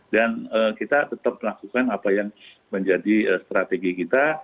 dan kita tetap melakukan apa yang menjadi strategi kita